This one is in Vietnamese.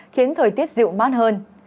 khiến thời tiết dịu mát hơn